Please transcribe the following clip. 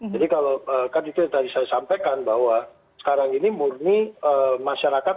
jadi kalau kan itu tadi saya sampaikan bahwa sekarang ini murni masyarakat